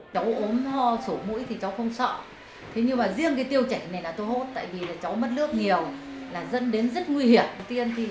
thế nhưng mà riêng cái tiêu chảy này là tôi hốt tại vì là cháu mất nước nhiều là dân đến rất nguy hiểm